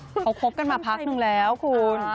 เขาคบกันมาพักนึงแล้วคุณ